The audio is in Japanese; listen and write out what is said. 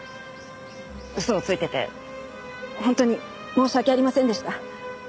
嘘をついてて本当に申し訳ありませんでした。